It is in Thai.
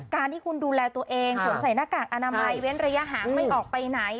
การที่คุณดูแลตัวเองสวมใส่หน้ากากอนามัยเว้นระยะห่างไม่ออกไปไหน